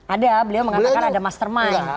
ada beliau mengatakan ada mastermind